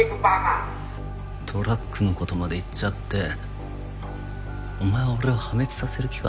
現在ドラッグのことまで言っちゃってお前は俺を破滅させる気か？